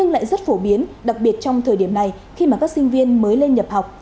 lại rất phổ biến đặc biệt trong thời điểm này khi mà các sinh viên mới lên nhập học